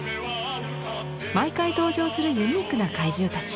毎回登場するユニークな怪獣たち。